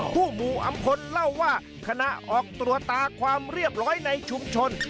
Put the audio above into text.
ผู้หมู่อำพลเล่าว่าขณะออกตรวจตาความเรียบร้อยในชุมชน